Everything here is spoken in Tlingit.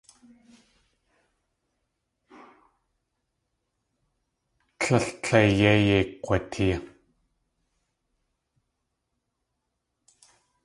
Tlél tleiyéi yéi kg̲watee.